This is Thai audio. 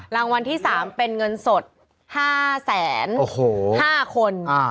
รางวัลที่๓เป็นเงินสด๕๕คน